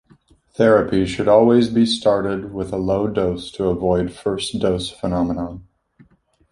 Therapy should always be started with a low dose to avoid first dose phenomenon.